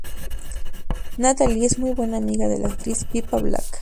Natalie es muy buena amiga de la actriz Pippa Black.